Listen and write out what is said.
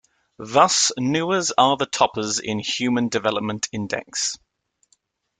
Thus, Newars are the toppers in Human Development Index.